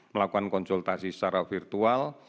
melakukan konsultasi secara virtual